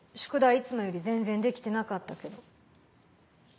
いつもより全然できてなかったけど。